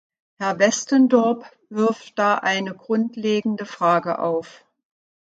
Herr Westendorp wirft da eine grundlegende Frage auf.